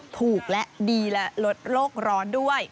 ถูกและดีและลดโรคร้อนด้วย